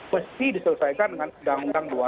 mesti diselesaikan dengan undang undang dua puluh enam